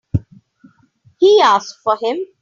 He asked for him.